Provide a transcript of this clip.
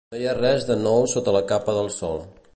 No hi ha res de nou sota la capa del sol.